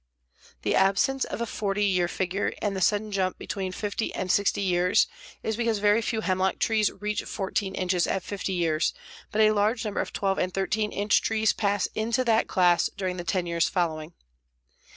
The absence of a 40 year figure, and the sudden jump between 50 and 60 years, is because very few hemlock trees reach 14 inches at 50 years, but a large number of 12 and 13 inch trees pass into that class during the ten years following.